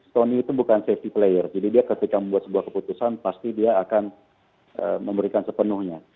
sony itu bukan safety player jadi dia ketika membuat sebuah keputusan pasti dia akan memberikan sepenuhnya